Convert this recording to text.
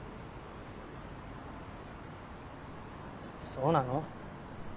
そうなの？